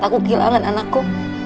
kukis dong aku